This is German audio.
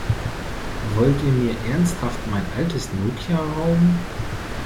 Wollt ihr mir ernsthaft mein altes Nokia rauben?